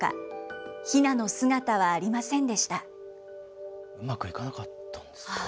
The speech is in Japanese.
うまくいかなかったんですか。